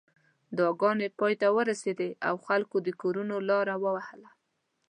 دعاګانې پای ته ورسېدې او خلکو د کورونو لار وهله.